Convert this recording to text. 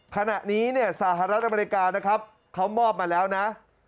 ขณะนี้เนี่ยสหรัฐอเมริกานะครับเขามอบมาแล้วนะ